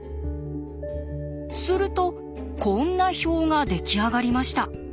するとこんな表が出来上がりました。